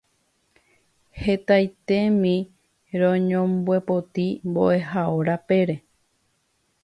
Hetaitémi roñombyepoti mbo'ehao rapére.